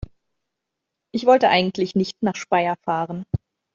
Ich wollte eigentlich nicht nach Speyer fahren